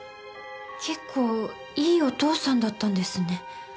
結構いいお父さんだったんですね。